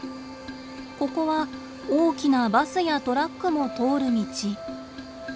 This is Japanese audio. ここは大きなバスやトラックも通る道。